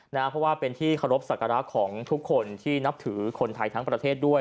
เพราะว่าเป็นที่เคารพสักการะของทุกคนที่นับถือคนไทยทั้งประเทศด้วย